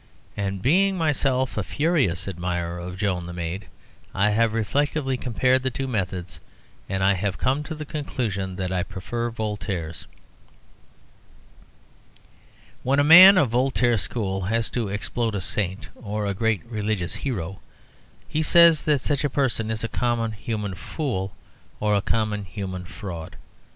And being myself a furious admirer of Joan the Maid, I have reflectively compared the two methods, and I come to the conclusion that I prefer Voltaire's. When a man of Voltaire's school has to explode a saint or a great religious hero, he says that such a person is a common human fool, or a common human fraud.